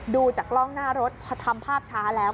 ดูจากกล้องหน้ารถพอทำภาพช้าแล้ว